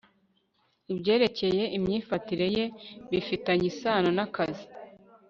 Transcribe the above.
ibyerekeye imyifatire ye bifitanye isano n akazi